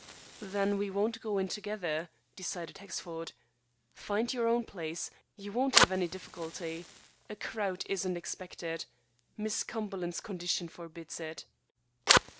"Then we won't go in together," decided Hexford. "Find your own place; you won't have any difficulty. A crowd isn't expected. Miss Cumberland's condition forbids it."